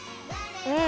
うん！